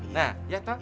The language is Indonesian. nah ya toh